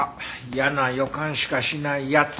嫌な予感しかしないやつ。